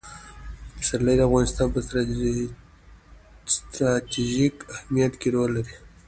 پسرلی د افغانستان په ستراتیژیک اهمیت کې رول لري.